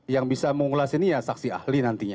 yang bisa mengulas ini ya saksi ahli nantinya